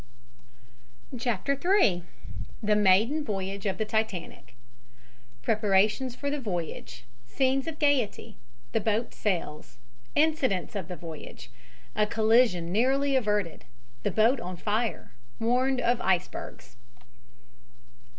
CHAPTER III. THE MAIDEN VOYAGE OF THE TITANIC PREPARATIONS FOR THE VOYAGE SCENES OF GAYETY THE BOAT SAILS INCIDENTS OF THE VOYAGE A COLLISION NARROWLY AVERTED THE BOAT ON FIRE WARNED OF ICEBERGS.